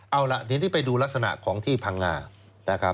เอาละทีนี้ไปดูลักษณะของที่พังงา